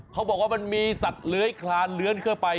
เขาบอกว่ามันมีสัตว์เลื้อยคลานเลื้อนเข้าไป